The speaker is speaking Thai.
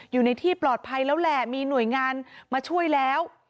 อยู่ในที่ปลอดภัยแล้วแหละมีหน่วยงานมาช่วยแล้ว